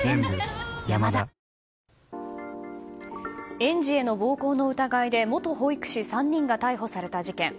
園児への暴行の疑いで元保育士３人が逮捕された事件。